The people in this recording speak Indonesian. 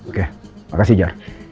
oke makasih jar